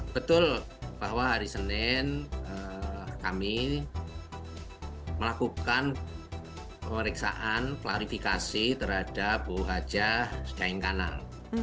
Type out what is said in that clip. betul bahwa hari senin kami melakukan pemeriksaan klarifikasi terhadap bu haja zain kanang